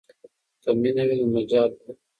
که مینه وي نو مجال وي.